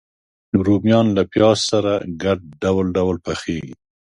رومیان له پیاز سره ګډ ډول ډول پخېږي